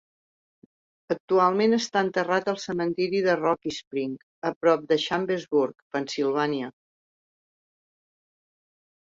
Actualment està enterrat al cementiri de Rocky Spring, a prop de Chambersburg, Pennsylvania.